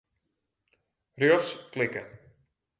Rjochts klikke.